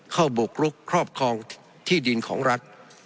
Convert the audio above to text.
บุกรุกครอบครองที่ดินของรัฐ